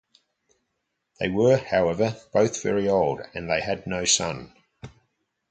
They were, however, both very old and they had no son.